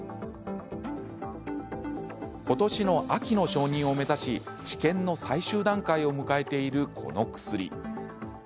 今年の秋の承認を目指し治験の最終段階を迎えているこの薬。